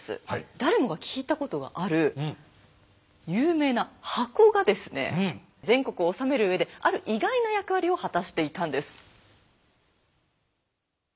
誰もが聞いたことがある有名な箱がですね全国を治めるうえである意外な役割を果たしていたんです。